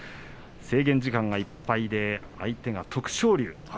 制限時間いっぱいで相手が徳勝龍。